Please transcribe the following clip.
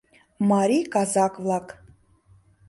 Марий казак-влак.